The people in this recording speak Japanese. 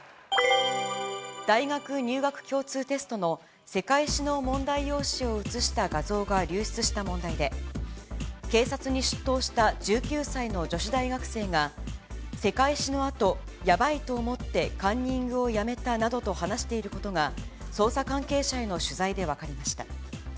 大学入学共通テストの世界史の問題用紙を写した画像が流出した問題で、警察に出頭した１９歳の女子大学生が、世界史のあと、やばいと思ってカンニングをやめたなどと話していることが、捜査関係者への取材で分かりました。